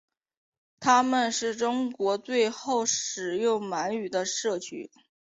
他们是中国最后使用满语的社区。